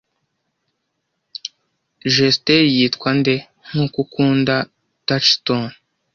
Jesteri yitwa nde nkuko Ukunda Touchstone